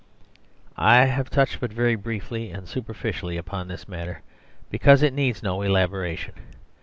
I have touched but very briefly and superficially III THE SERVILE STATE upon this matter, because it needs no elaboration.